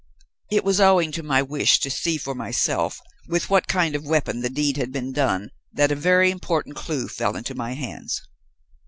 It was owing to my wish to see for myself with what kind of weapon the deed had been done that a very important clue fell into my hands.